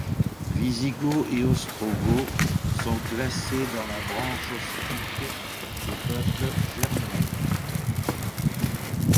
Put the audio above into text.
Wisigoths et Ostrogoths sont classés dans la branche ostique des peuples germaniques.